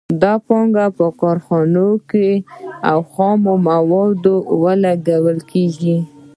دا پانګه په کارخانو او خامو موادو لګول کېږي